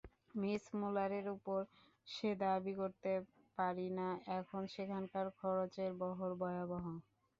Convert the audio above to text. Miss মূলারের ওপরও সে-দাবী করতে পারি না, কারণ সেখানকার খরচের বহর ভয়াবহ।